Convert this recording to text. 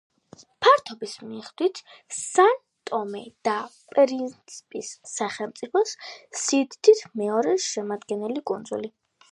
ფართობის მიხედვით სან-ტომე და პრინსიპის სახელმწიფოს სიდიდით მეორე შემადგენელი კუნძული.